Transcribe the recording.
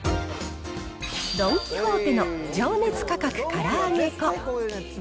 ドン・キホーテの情熱価格から揚げ粉。